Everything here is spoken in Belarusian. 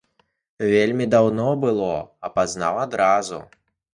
Вельмі даўно было, а пазнаў адразу.